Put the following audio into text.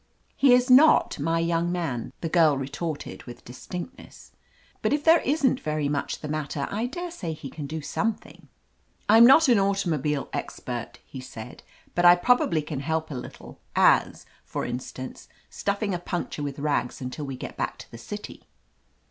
"He is not my young man," the girl retorted, with distinctness ; "but if there isn't very much the matter I daresay he can do something." "I am not an automobile expert," he said, "but I probably can help a little, as, for in stance, stuffing a puncture with rags until we get back to the city."